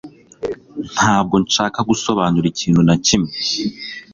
Ntabwo nshaka gusobanura ikintu na kimwe